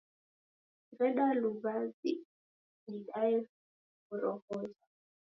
Rede luw'azi nidaye borohoi.